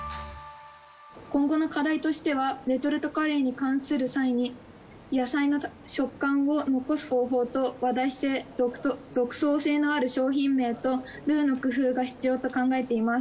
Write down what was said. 今後の課題としてはレトルトカレーにする際に野菜の食感を残す方法と話題性独創性のある商品名とルーの工夫が必要と考えています。